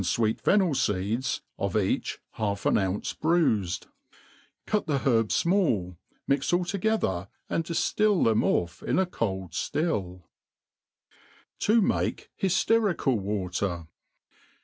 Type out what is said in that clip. fweet fqnnel feeds, of each half an ounce bruifed ; cut the herbs fmall| mix all togei tber, and diftil them off in a cold fiilh To maii Hy/Urical Water.